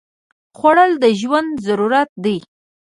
خوړل د ژوند ضرورت دی